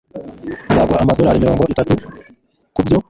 Nzaguha amadorari mirongo itatu kubyo